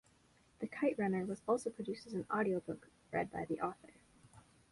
"The Kite Runner" was also produced as an audiobook read by the author.